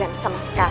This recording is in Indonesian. dan sama sekali